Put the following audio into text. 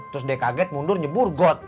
terus dekaget mundur nyebur got